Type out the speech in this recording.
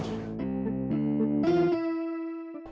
ancam bisa kau lihat